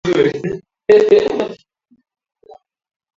Mzoga ambao haujikazi na huwa umefura